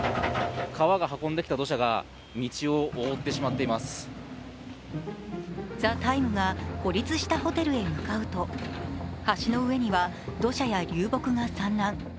川が運んできた土砂が道を覆ってしまっています「ＴＨＥＴＩＭＥ，」が孤立したホテルへ向かうと橋の上には土砂や流木が散乱。